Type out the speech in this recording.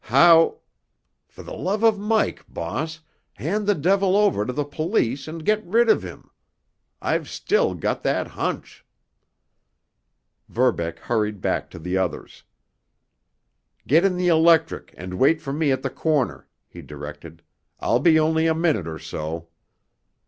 "How——" "For the love of Mike, boss, hand the devil over to the police and get rid of him. I've still got that hunch!" Verbeck hurried back to the others. "Get in the electric and wait for me at the corner," he directed. "I'll be only a minute or so."